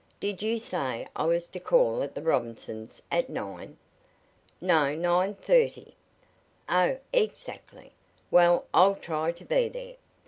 Did you say I was to call at the Robinsons' at nine?" "No, nine thirty." "Oh, exactly. Well, I'll try to be there.